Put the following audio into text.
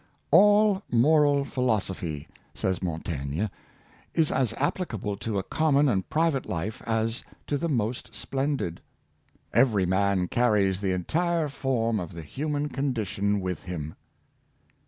" All moral philosophy," says Montaigne, " is as applicable to a common and private life as to the most splendid. Every man carries the entire form of the human condition with him.'